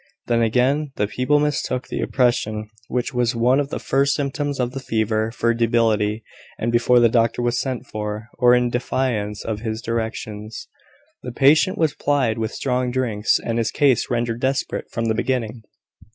Then, again, the people mistook the oppression which was one of the first symptoms of the fever, for debility; and before the doctor was sent for, or in defiance of his directions, the patient was plied with strong drinks, and his case rendered desperate from the beginning.